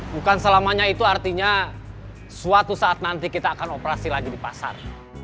bukan selamanya itu artinya suatu saat nanti kita akan operasi lagi di pasar